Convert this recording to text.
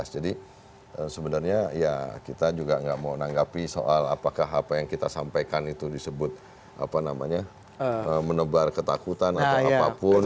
jadi sebenarnya ya kita juga nggak mau menanggapi soal apakah apa yang kita sampaikan itu disebut menebar ketakutan atau apapun